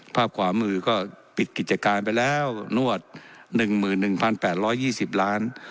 ภาพขวามือก็ปิดกิจการไปแล้วนวดหนึ่งหมื่นหนึ่งพันแปดร้อยยี่สิบล้าน